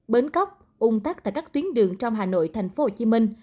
bến cóc ung tắc tại các tuyến đường trong hà nội tp hcm